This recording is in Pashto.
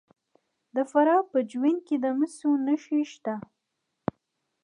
د فراه په جوین کې د مسو نښې شته.